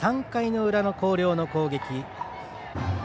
３回の裏の広陵の攻撃。